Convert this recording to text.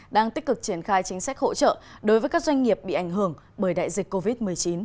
đang tích cực triển khai chính sách hỗ trợ đối với các doanh nghiệp bị ảnh hưởng bởi đại dịch covid một mươi chín